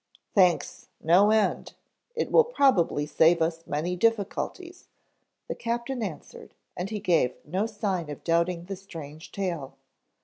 "Thanks no end. It will probably save us many difficulties," the captain answered, and he gave no sign of doubting the strange tale.